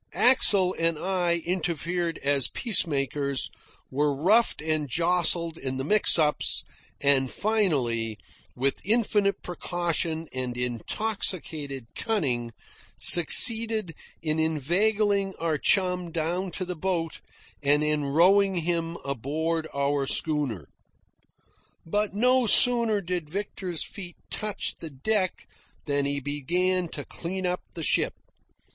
Axel and I interfered as peacemakers, were roughed and jostled in the mix ups, and finally, with infinite precaution and intoxicated cunning, succeeded in inveigling our chum down to the boat and in rowing him aboard our schooner. But no sooner did Victor's feet touch the deck than he began to clean up the ship.